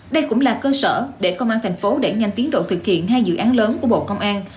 đây cũng là cơ sở để công an thành phố đẩy nhanh tiến độ thực hiện hai dự án lớn của bộ công an